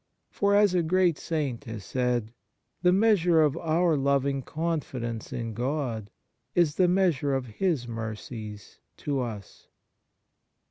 For, as a great Saint has said, " The measure of our loving confidence in God is the measure of His mercies to us."